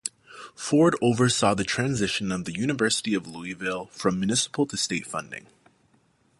Ford oversaw the transition of the University of Louisville from municipal to state funding.